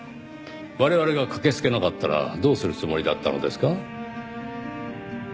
我々が駆けつけなかったらどうするつもりだったのですか？